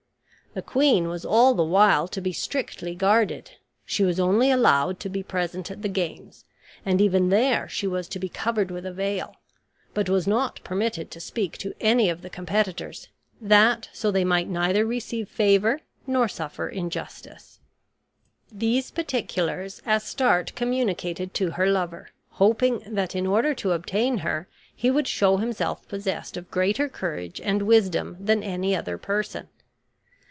The queen was all the while to be strictly guarded: she was only allowed to be present at the games, and even there she was to be covered with a veil; but was not permitted to speak to any of the competitors, that so they might neither receive favor, nor suffer injustice. These particulars Astarte communicated to her lover, hoping that in order to obtain her he would show himself possessed of greater courage and wisdom than any other person.